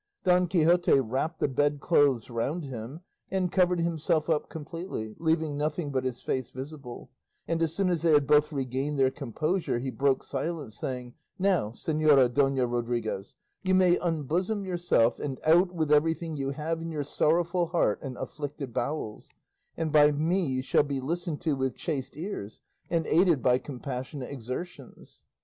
Don Quixote wrapped the bedclothes round him and covered himself up completely, leaving nothing but his face visible, and as soon as they had both regained their composure he broke silence, saying, "Now, Señora Dona Rodriguez, you may unbosom yourself and out with everything you have in your sorrowful heart and afflicted bowels; and by me you shall be listened to with chaste ears, and aided by compassionate exertions."